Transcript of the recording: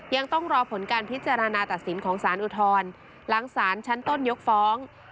ยังต้องรอผลการพิจารณาตัดสินของสารอุทธรณ์หลังสารชั้นต้นยกฟ้อง